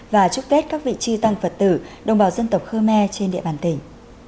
và chúc tết các vị trí tăng phật tử đồng bào dân tộc khơ me trên địa bàn tỉnh